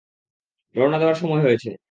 রওনা দেওয়ার সময় হয়েছে!